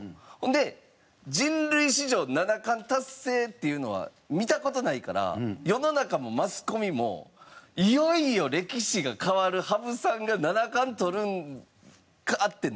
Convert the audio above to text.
で人類史上七冠達成っていうのは見た事ないから世の中もマスコミもいよいよ歴史が変わる羽生さんが七冠とるんか！？ってなったんですよ